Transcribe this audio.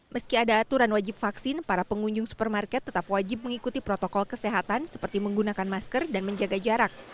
meski ada aturan wajib vaksin para pengunjung supermarket tetap wajib mengikuti protokol kesehatan seperti menggunakan masker dan menjaga jarak